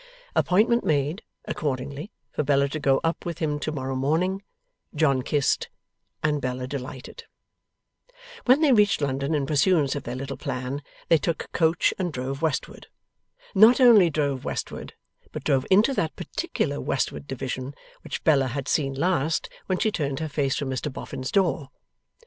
Appointment made, accordingly, for Bella to go up with him to morrow morning; John kissed; and Bella delighted. When they reached London in pursuance of their little plan, they took coach and drove westward. Not only drove westward, but drove into that particular westward division, which Bella had seen last when she turned her face from Mr Boffin's door.